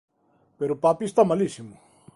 Pero papi está malísimo!